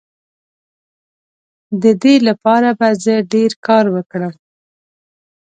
د دې لپاره به زه ډیر کار وکړم.